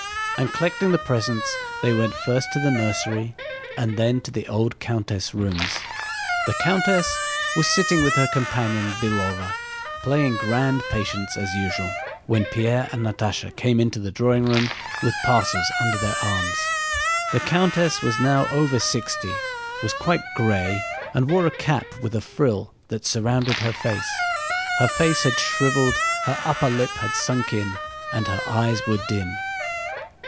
And collecting the presents they went first to the nursery and then to the old countess' rooms. The countess was sitting with her companion Belóva, playing grand patience as usual, when Pierre and Natásha came into the drawing room with parcels under their arms. The countess was now over sixty, was quite gray, and wore a cap with a frill that surrounded her face. Her face had shriveled, her upper lip had sunk in, and her eyes were dim.